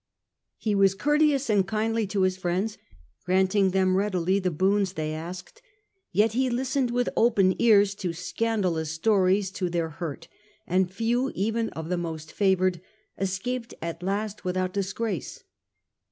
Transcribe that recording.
He was courteous and kindly to his friends, granting them readily the boons they asked ; yet he listened with open ears to scandalous stories to their hurt, and few even of the most favoured escaped at last without disgrace.